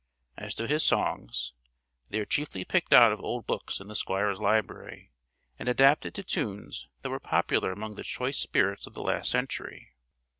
As to his songs, they were chiefly picked out of old books in the Squire's library, and adapted to tunes that were popular among the choice spirits of the last century.